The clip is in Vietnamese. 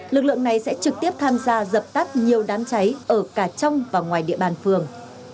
lực lượng này sẽ trực tiếp tham gia dập tắt nhiều đám cháy ở cả trong và ngoài địa bàn phường